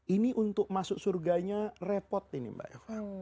ini untuk masuk surganya repot ini mbak eva